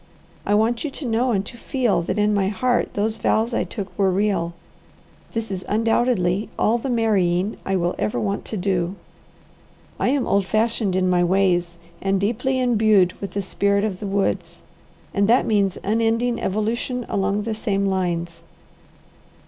I want you to know and to feel that in my heart those vows I took were real. This is undoubtedly all the marrying I will ever want to do. I am old fashioned in my ways, and deeply imbued with the spirit of the woods, and that means unending evolution along the same lines.